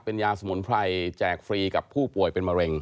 เป็นยาสมุนไพรแจกฟรีกับผู้ป่วยเป็นมะเร็ง